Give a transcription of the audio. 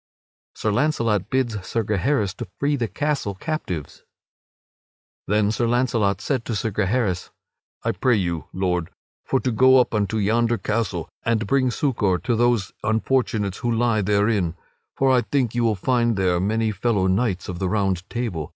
[Sidenote: Sir Launcelot bids Sir Gaheris to free the castle captives] Then Sir Launcelot said to Sir Gaheris: "I pray you, Lord, for to go up unto yonder castle, and bring succor to those unfortunates who lie therein. For I think you will find there many fellow knights of the Round Table.